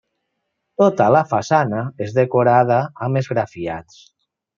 Tota la façana és decorada amb esgrafiats.